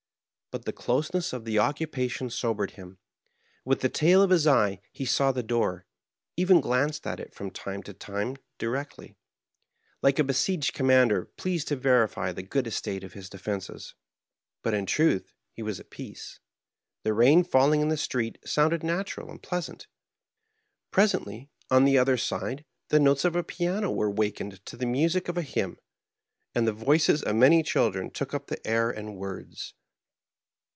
But the closeness of the occupation sobered him. With the tail of his eye he saw the door ; even glanced at it from time to time di rectly, like a besieged commander pleased to verify the good estate of his defenses. But in truth he was at peace. The rain falling in the street sounded natural and pleasant. Presently, on the other side, the notes of a piano were wakened to the music of a hymn, and the voices of many children took up the air and words.